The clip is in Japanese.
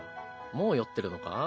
もう酔ってるのか？